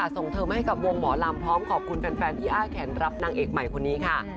เทอมให้กับวงหมอลำพร้อมขอบคุณแฟนที่อ้าแขนรับนางเอกใหม่คนนี้ค่ะ